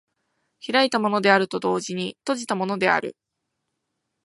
開いたものであると同時に閉じたものである。